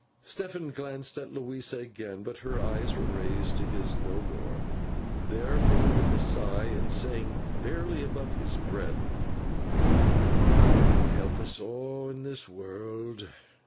Stephen glanced at Louisa again, but her eyes were raised to his no more; therefore, with a sigh, and saying, barely above his breath, 'Heaven help us aw in this world!